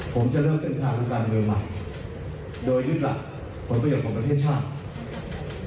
ผมจะเลือกเสร็จทางทางการเงินใหม่โดยยึดหลักคนประหยุดของประเทศชาติ